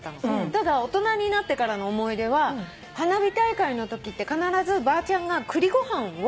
ただ大人になってからの思い出は花火大会のときって必ずばあちゃんが栗ご飯を。